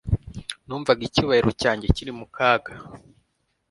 Numvaga icyubahiro cyanjye kiri mu kaga